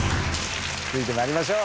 続いて参りましょう。